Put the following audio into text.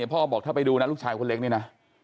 พ่อบอกถ้าไปดูนะลูกชายคนเล็กเนี่ยนะ